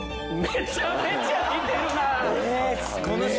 めちゃめちゃ似てる！